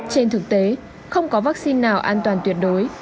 trên thực tế không có vaccine nào an toàn tuyệt đối